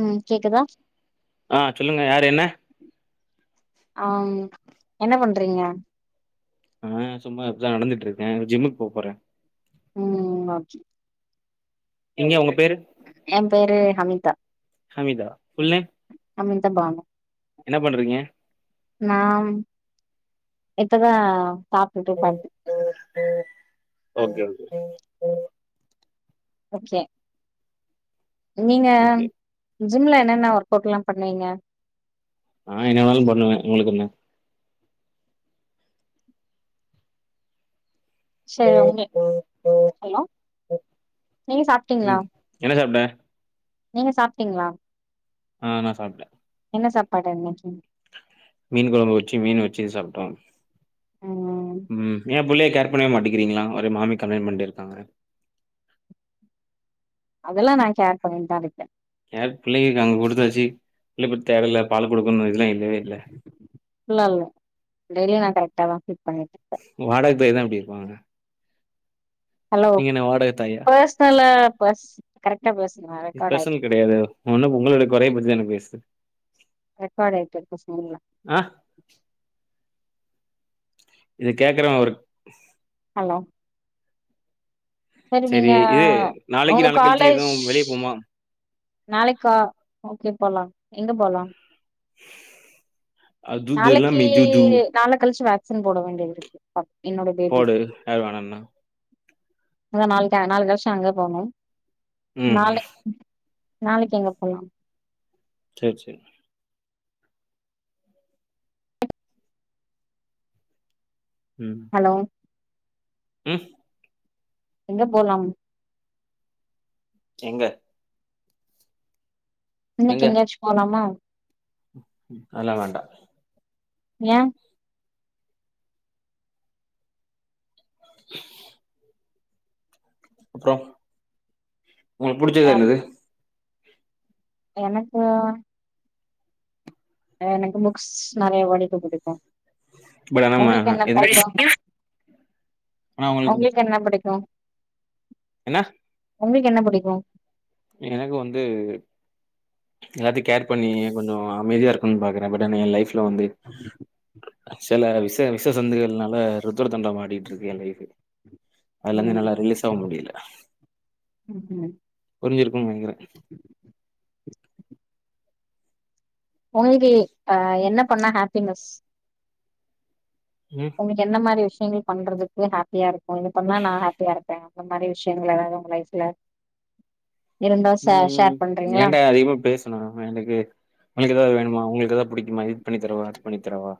ம் கேக்குதா ஆ சொல்லுங்க யார் என்ன ஆங் என்ன பண்றீங்க ஆ சும்மா இப்பதா நடந்துட்ருக்கே ஜிம்முக்கு போ போறே ம் அப் நீங்க உங்க பேரு ஏம் பேரு ஹமிதா ஹமீதா ஃபுல் நேம் ஹமிதா பானு என்ன பண்றீங்க நாம் இப்போதா சாப்டுட்டு ஒக்காந்து ஓகே ஓகே ஓகே நீங்க எது ஜிம்ல என்னென்ன ஒர்க் அவுட்லா பண்ணுவீங்க ஆ என்ன வேணாலூ பண்ணுவே உங்களுக்கு என்ன சேர் உங்களுக் ஹலோ நீங்க சாப்டீங்ளா ம் என்ன சாப்ட்ட நீங்க சாப்டீங்ளா ஆ நா சாப்டே என்ன சாப்பாடு இன்னைக்கி மீன் கொழம்பு வச்சி மீன் வச்சி சாப்ட்டோ ம் ம் ஏ புள்ளைய க்காங்க அதெல்லா நா கேர் பண்ணிட்டு தா இருப்பே. யார் பிள்ளைய காணு குடுத்தாச்சு [unintelligible] தேவல்ல பால் குடுக்கணூ இதல்லா இல்லவே இல்ல இல்ல இல்ல டெய்லி நா கரெக்டா தா வாடக தேதிலா எப்டி வார ஹலோ தாயா பர்சனலு பஸ் கரட் இது பர்சனல் கெடையாதே என்ன இப்ப உங்களோடய குறைய பத்திதானா பேசுது ரெக்கார்ட் ஆயிட்டு இருக்கு ஃபோன்ல ஆஹ் இத கேக்கறே ஒரு அ சரி இரு நாளைக்கி உங்க நாள கழிச்சு காலேஜ் எது வெளிய போமா நாளைக்கா ஓகே போலா எங்க போலா இம் நாளக்கி நாள கழிச்சு வா சீன் போட வேண்டியதிருக்கு ஆ போடு யாரு வேணனா அத நாளைக்கா நாள கழிச்சு அங்க போனு ம் நாளை ம் நாளைக்கு எங்க போலாம் சேர் செரி ஹலோ உம் எங்க போலாம் எங்க இன்னைக்கு எங்கயாச்சு போலாமா அதல்லா வேண்டா ஏ [unintelligible] அப்றோ உங்களுக்கு புடிச்சது ஏ எ என்னது எனக்கு எனக்கு புக்ஸ் நெறைய படிக்க புடிக்கு இப்ப தா நம்ம [unintelligible] உங்களுக்கு என்ன புடிக்கு என்ன உங்களுக்கு என்ன புடிக்கு எனக்கு வந்து எல்லாத்தையு கேர் பண்ணி கொஞ்சோ அமைதியா இருக்குனுன் பாக்குறே தென் என் லைஃப்ல வந்து சில விஷ விஷ சந்துங்கள்னால ருத்ர தாண்டவம் ஆடிட்டு இருக்கு என் லைஃப் அதலிருந்து ம் என்னாலா ரிலீஸ் ஆவ முடில ம் புரிஞ்சிருக்கும் நெனைக்கிறென் [unintelligible] அ என்ன பண்ணா ஹப்பினஸ் ம் உங்ளுக்கு என்ன மாரி விஷ் ஃபீல் பண்றதுக்கு ஹப்பியா இர் ஒன்னு பண்ணா நான் ஹப்பியா இருப்பேன் அந்த மாரி விஷயங்கள் எதாது உங்க லைஃப்ல இருந்தா ஷே ஷேர் பண்றீங்களா ஏன்டா அதிகமா பேசுன எனக்கு உங்களுக்கு ஏதாது வேணுமா உங்களுக்கு ஏதா புடிக்குமா இது பண்ணி தரவா அது பண்ணி தரவா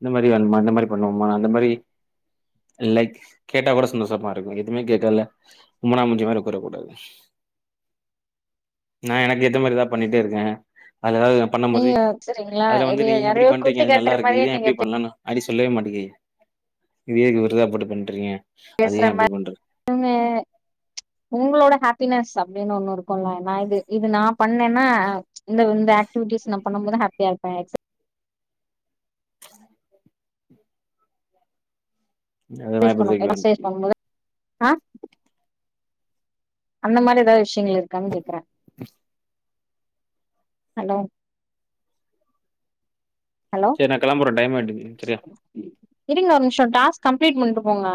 இந்த மாரி வேணுமா இந்த மாரி பண்ணுவோமா அந்த மாரி லைக் கேட்டா கூட சந்தோஷமா இருக்கு எதுமே கேக்கல உம்மனா மூஞ்சி மாரி ஒக்காரக்கூடாது நா எனக்கேத்த மாரி எதா பண்ணிட்டே இருக்கே அதுல எதாது நா பண்ணும்போது நீங்க சரிங்களா அதுல இது வந்து நீங்க ஏ இப்டி யாரையோ பண்றீங்க குத்தி அது காட்டுற நல்லாருக்கு மாரியே இத ஏ நீங்க இப்டி பண்லன்னா அப்டி சொல்லவே மாட்டிக்கு இது ஏ [unintelligible] போட்டு பண்றீங்க அது பேசற ஏன் அப்டி பண்றது [inaudible] உங்க உங்களோட ஹேப் பினஸ் அப்டினு ஒன்னு இருக்குல்ல நா இது இது நா பண்ணேன்னா இந்த இந்த‌ அக்டிவிட்டிஸ் நா பண்ணும் போது ஹேப்பியா இருப்பே [inaudible] அதெல்லா இப்போதைக்கு வேணா [inaudible] ஆஹ் அந்த மாரி ஏதாது விஷயங்கள் இருக்கான்னு கேக்குறேன் ஹல்லோ சரி நா கெளம்புறேன் டைம் ஆ இருங்க ஒரு நிம் சோம் டாஸ்க் கம்ப்ளீட் பண்ட்டு போங்க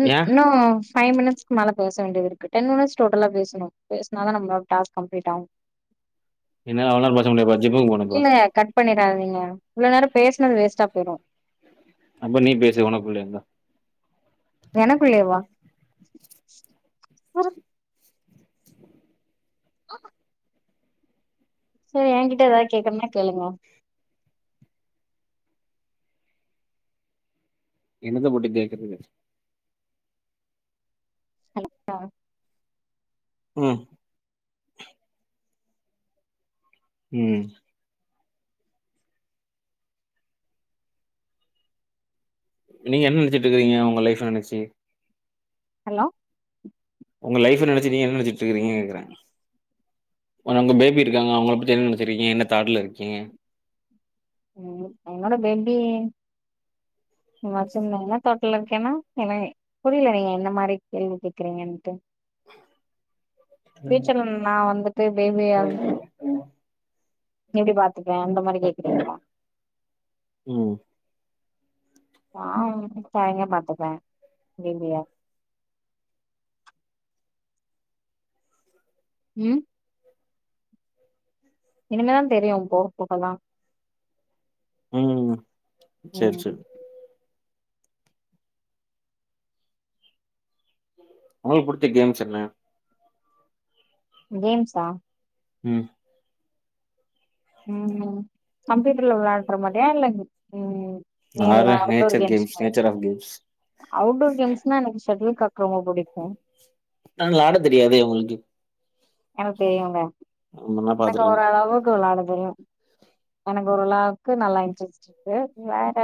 ம் ஏன் இன்னோ ஃபை மினிட்ஸ்க்கு மேல பேச வேண்டியது இருக்கு டென் மினிட்ஸ் டோட்டலா பேசுணும் பேசனாதா நம்ம டாஸ்க் கம்ப்ளீட்‌ ஆவும் என்னால அவ்ளநேரம் பேச முடியாதுப்பா ஜிம்முக்கு போனும்ப்பா இல்ல கட் பண்ணிடாதீங்க இவ்ளோ நேரம் பேஸ் சுனது வேஸ்ட்டா போய்டும் அப்ப நீ பேசு உனக்குள்ளயே இந்தா எனக்குள்ளேயவா [inaudible] சேரி என்கிட்ட ஏதாது கேக்கனும்னா கேளுங்க என்னத்த போட்டு கேக்றது ஹலோ அஹ் உம் ஊம் நீங்க என்ன நெனைச்சிட்டு இருக்கீங்க உங்க லைஃப்ல நெனைச்சு. ஹலோ உங்க லைஃப்ல நினைச்சு நீங்க என்ன நெனச்சிட்டு இருக்குறீங்கற கேக்குறேன். ஆனா உங்க பேபி இருக்காங்க அவங்கள பத்தி என்ன நெனைச்சிட்டுருக்கிங்க என்ன தாட்டல இருக்கீங்க. உம் என்னோட பேபி. [unintelligible] என்ன தட்ல இருக்கேன்னா என்ன புரில நீங்க என்ன மாரி கேள்வி கேக்குறீங்கன்னுட்டு. ஃபியூச்சர்ல நா வந்துட்டு பேபியல் எப்டி பார்த் ருக்க அந்த மாரி கேக்குறீங்கலா உம் நான் [unintelligible] பார்த்துப்பேன் இலியா உம் இனிமேதான் தெரியும் போக போகதான். உம் செரி செரி உங்களுக்குக் புடிச்ச கேம்ஸ் என்ன கேம்ஸ்ஸா உம் உம் கம்ப்யூட்டர்ல விளாடுற மாரியா இல்லங் உம் நீல ஆற outdoor nature games. Nature of games outdoor கேம்ஸ்ன [unintelligible] நால் ஆட தெரியாதே, உங்களுக்கு எனக்கு தெரியுங்க. நா எனக்கு ஓர பாத்துருக்கனே அளவுக்கு விளாட தெரியும். உனக் ஒருளாவுக்கு நல்லா இன்ட்ரஸ்ட் இருக்கு. வேற,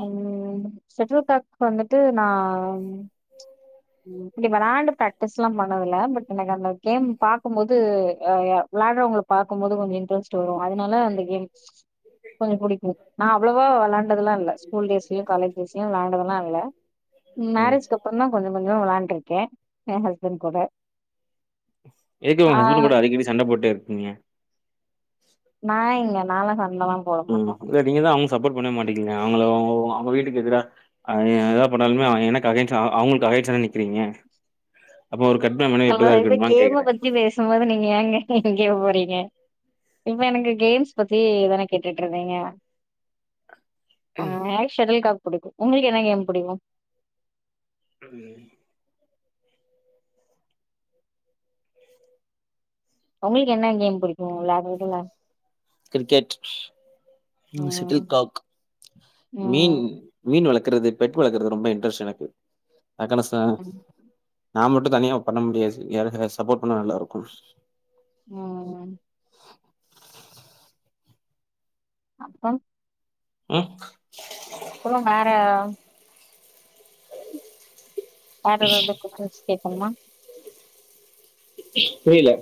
உம் செட்டுல்காக் வந்துட்டு நான், இங்க விளாண்ட்டு பிரக்டிஸ்லாம் பண்னுதல பட் எனக்கு அந்த கேம் பாக்கும்போது, இய யா உம் விளையாடுறவங்க பார்க்கும்போது, கொஞ்ச இன்ட்ரெஸ்ட் வரும். அதனால அந்த கேம். கொஞ்ச பிடிக்கும் நான் அவ்வளவா விளாண்டததுலாம் இல்ல, ஸ்கூல் டேஸ்லயும், காலேஜ் டேஸ்லயும் விளையாண்டதுலாம் இல்ல, ம் மேரேஜ்க்க அப்புறம் தான், கொஞ்சம், கொஞ்ச விளையாண்டுருக்கேன். என் ஹஸ்பண்ட் கூட. எதுக்கு ஆ உங்க ஹஸ்பண்ட் கூட அடிக்கடி சண்ட போட்டே இருக்கிங்க. நா இல்ல நாள்லா சண் உம் இ நீங்கதான் அவங் சப்போர்ட் பண்ணவே மாட்டிக்கங்கலே அவங்களு ஓ அவுங்க அவங்க வீட்டுக்கு எதிர, அ எத போடலும் எனக் அகைன்சா ஆ அவுங்கலுக்கு அகைன்சா நிக்கிறீங்க. அப்ப ஒரு கட்ன மனைவி ஹலோ எப்டிதா இப்ப இருக்கணுமானு கேம கேக்குறே பத்தி பேசும்போது நீங்க ஏங்க இங் இங்கே போறீங்க, இப்ப எனக்கு கேம்ஸ் பத்தி தானே கேட்டுட்டு இருந்தீங்க. ஆஹ் ஷாடுல் கிராக் புடிக்கும். உங்களுக்கு என்ன கேம் புடிக்கும். உம் உங்களுக்கு என்ன கேம் புடிக்கும்ல, புடிக்கும்ல கிரிக்கெட் ம் ஷுட்டில் கிராக் மீன் ம். மீன் விளக் ர்க்குறது பெட் வளர்க்குறது ரொம்ப இன்டரஸ்ட் எனக்கு அக்கன ச ம். நான் மட்டும் தனியா பண்ண முடியாது யாரா சப்போர்ட் பண்ண நல்லா இருக்கும் உம்ம் அப்பா உம் புறம் வேற வேற ஏதாவது கொஸ்டின்ஸ் கேக் னுமா புரியல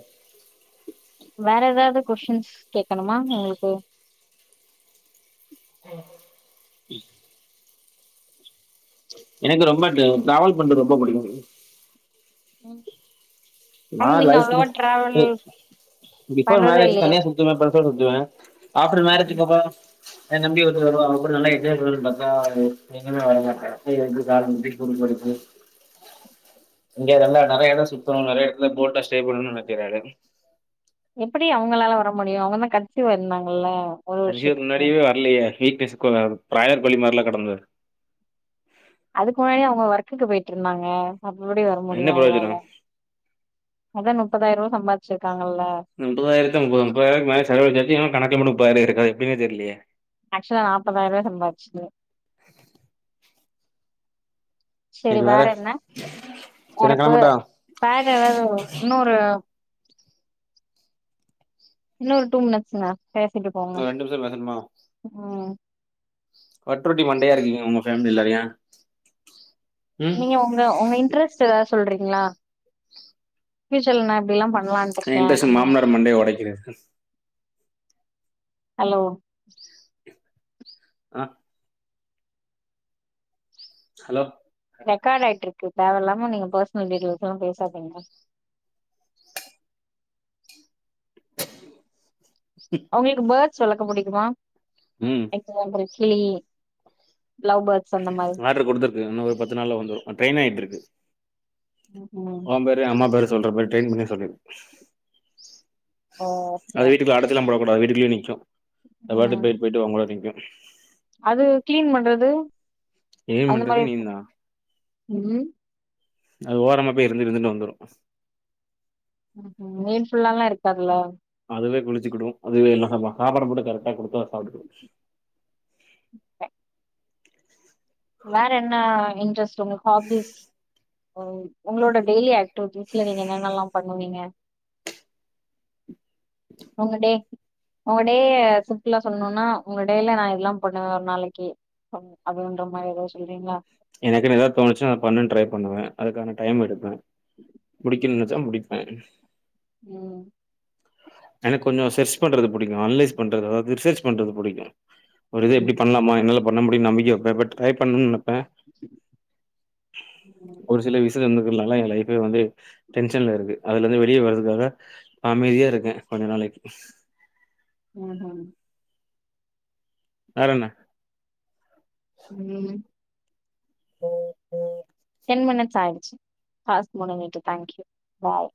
வேற எதாவது கொஸ்டின்ஸ் கேட்கணுமா உங்களுக்கு உம் எனக்கு ரொம்ப டு டிராவல் பண்றது ரொம்ப பிடிக்கும் உம் நான் லைசென்ஸ் பி பிஃபோர் பண்றதே மேரேஜ் இல்லையா? தனியா சுத்துவேன் ஃப்ரெண்ட்சோட சுத்துவேன் ஆஃப்டர் மேரேஜ் அப்புறோ என் தம்பி ஒருத்த வருவா அவ கூட நல்லா என்ஜாய் பண்ணனும்னு பாத்தா அது எங்கயுமே வர மாட்டா கை வலிக்கி கால் வலிக்கி குறுக்கு வலிக்கி இங்க இதெல்லா நெறைய எடம் சுத்தனும் நெறைய எடம் இல்ல போட்டா ஸ்டே பண்ணும்னு நினைக்கிறாரு எப்படி அவங்களால வர முடியும் அவங்கதான் கான்சிவ்வா இருந்தாங்கள்ல கான்சிவ்கு முன்னாடியுமே வரலையே [unintelligible] ப்ராயர் கோழி மாரிலா கெடந்தது அதுக்கு முன்னாடி அவங்க ஒர்க்குக்கு போயிட்டுருந்தாங்க அப்புப்டி வர என்ன முடியும் பிரயோஜனம் அவங்களால அதனுப் முப்பதாயிருவா சம்பாதிச்சிர்க்கு அந்த முப்பதாயிரத்த முப்பது முப்பதாயிரத்துக்கு மேல செலவழிச்சாசு இன்னும் கணக்குலம முப்பதாயிரம் இருக்கு அது எப்டினெ தெரில இல்லயே ஆக்சுவலா நாப்பதாயிரூவா சம்பாதிச்சது செரி வேற என்ன சரி நா வேரப்பு கெளம்பட்டா பிளான் ஏதாவது இன்னொரு இன்னும் ஒரு டூ மினிட்ஸ்ங்க பேசிட்டு போங்க இன்னொரு ரெண்டு நிமிஷோ உம் வட்ருட்டி மண்டையா இருக்கீங்க உங்க ஃபேமிலிலவ் ஏ நீங்க ஒங்க ஒங்க இன்ட்ரெஸ்ட் எதாவ்து சொல்றீங் ங்ளா இப்ப சொல்லுங் நா இப்டிலா பண் எ இன்ட்ரெஸு மாம்னார மண்டைய ஒடைக்கிறது ஸ் ஹலோ அஹ் ஹலோ ரெக்கார்ட் ஆயிட்டு இருக்கு தேவயில்லாம நீங்க பேர்ஸ்னல் டீட்டெயில்ஸ்லா பேசாதீங்க அவ்ங்களுக்கு பர்த் சொல்லக்க புடிக்குமா ம் என்ட்ட வந்துரு கேயி ஆட்ரு குடுத்துருக்கு இன்னு ஒரு பத்து நாள்ல வந்துரு ஆஹ் ட்ரெயினாய்ட்ருக்கு ம் ஓம்பேரு எ அம்மா பேரு சொன்ட்ருல போட்டு ட்ரெய்ன் வந்தோனே சொல்லனு ஓகே அது வீட்டுக்குள்ள அடச்சு நம்ப கூட வீட்டுக்குள்ளே நிக்கு அது ம் வாட்டுக்கு போய்ட்டு போய்ட்டு ஊஞ்சலாடிக்கிட்டு ஹ அது க்ளீன் பண்றது க்ளீன் பண்றது நீந்தா உம் அது ஓரமா போய் இருந்து இருந்துட்டு வந்துரு ம் உம் மேல் ஃபுல்லாலா இருக்காதுல இதுலே கிழிச்சுக்குடு [unintelligible] எல்லா சாப்டுவா சாப்பாட்ட போட்டு கரெக்டா குடுத்த சாப்டு வேற என்ன வை சுங்க ஹாபிஸ் ஒங் ஒங்களோட டெய்லி ஆக்ட் டிவிட்டீஸ்ல நீங்க என்னென்னலா பண்ணுவீங்க ஒங்கடே ஒங்க டேய சிம்பிளா சொல்லனுனா ஓங்க டேல நா இதுலா பண்ணுவே ஒரு நாளைக்கி ம் அது ந்து மாரி எதா சொல்றீங்ளா எனக்குனு ஏதா தோணுச்சுனா அத பண்ணன் ட்ரை பண்ணுவே அதுக்கான டைம் எடுப்பே முடிக்கணு நெனச்சா முடிப்பேன் உம் எனக்கு கொஞ்சம் சர்ச் பண்றது பிடிக்கும் ஆனலைஸ் பண்றது அதாவது ரிசர்ச் பண்றது பிடிக்கும் ஒரு இது எப்படி ம் பண்ணலாமா என்னால பண்ண முடியும்னு நம்பிக்கைப்ப பட் ட்ரை பண்ணனு நினப்பேன் ம் ஒரு சில விச இருந்துக்கிறதுனால என் லைஃப்பே வந்து டென்ஷன்ல இருக்கு அதுல இருந்து வெளியே வர்றதுக்காக அமைதியா இருக்கேன் கொஞ்ச நாளைக்கு ஹம் ஹம் வேறண்ண உம் [inaudible] டூ மிண்ட்ஸ் ஆயிடுச்சு டாஸ்க் முடுஞ்சுட்டு தேங்க்யூ பாய்